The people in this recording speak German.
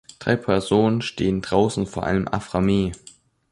Drei Personen stehen draußen vor einem Aframe.